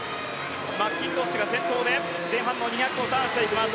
マッキントッシュが先頭で前半の２００ｍをターンしていきます。